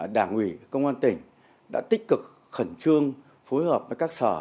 đảng ủy công an tỉnh đã tích cực khẩn trương phối hợp với các sở